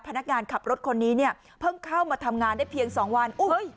พนักงานขับรถคนนี้เนี่ยเพิ่งเข้ามาทำงานได้เพียง๒วัน